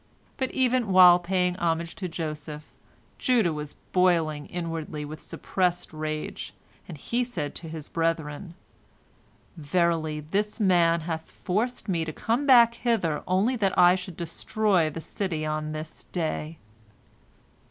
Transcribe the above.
But even while paying homage to Joseph, Judah was boiling inwardly with suppressed rage, and he said to his brethren, "Verily, this man hath forced me to come back hither only that I should destroy the city on this day."